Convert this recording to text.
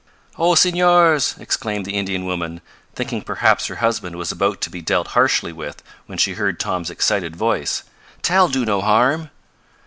"Oh, Senors!" exclaimed the Indian woman, thinking perhaps her husband was about to be dealt harshly with when she heard Tom's excited voice. "Tal do no harm!"